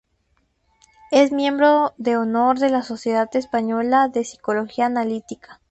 Es miembro de honor de la Sociedad Española de Psicología Analítica.